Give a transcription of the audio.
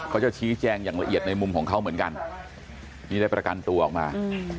เขาจะชี้แจงอย่างละเอียดในมุมของเขาเหมือนกันนี่ได้ประกันตัวออกมา